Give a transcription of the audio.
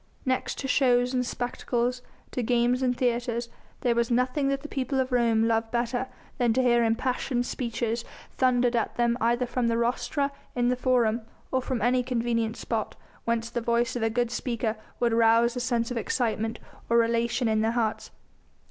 Next to shows and spectacles, to games and theatres, there was nothing that the people of Rome loved better than to hear impassioned speeches thundered at them either from the rostra in the Forum, or from any convenient spot whence the voice of a good speaker would rouse a sense of excitement or elation in their hearts.